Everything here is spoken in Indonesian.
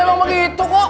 emang begitu kok